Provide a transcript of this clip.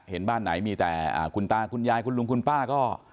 เห็นบ้านไหนมีแต่คุณตาคุณยายคุณลุงคุณป้าก็